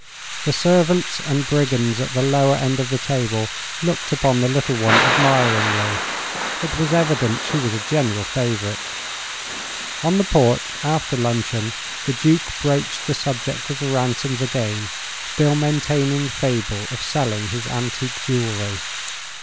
The servants and brigands at the lower end of the table looked upon the little one admiringly. It was evident she was a general favorite. On the porch, after luncheon, the Duke broached the subject of the ransoms again, still maintaining the fable of selling his antique jewelry.